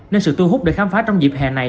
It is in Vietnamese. nên sự thu hút để khám phá trong dịp hè này